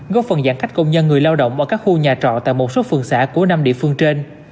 góp phần giãn cách công nhân người lao động ở các khu nhà trọ tại một số phường xã của năm địa phương trên